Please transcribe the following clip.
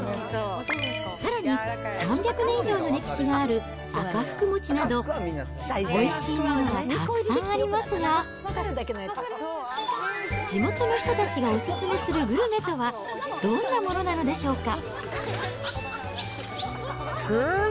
さらに３００年以上の歴史がある赤福餅など、おいしいものはたくさんありますが、地元の人たちがお勧めするグルメとは、どんなものなのでしょうか。